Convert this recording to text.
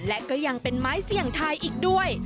และก็ยังเป็นไม้เสี่ยงทายอีกด้วย